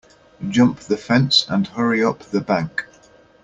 Jump the fence and hurry up the bank.